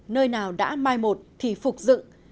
nơi nào đã mai một thì phục dựng